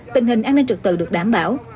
tình hình an ninh trực tự được đảm bảo